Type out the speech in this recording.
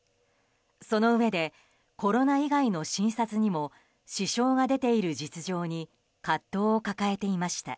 そのうえでコロナ以外の診察にも支障が出ている実情に葛藤を抱えていました。